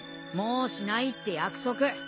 もうしないって約束。